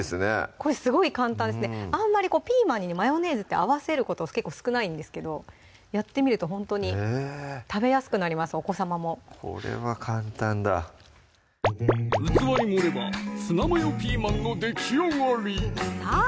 これすごい簡単ですねあんまりピーマンにねマヨネーズって合わせること結構少ないんですけどやってみるとほんとに食べやすくなりますお子さまもこれは簡単だ器に盛れば「ツナマヨピーマン」のできあがりさぁ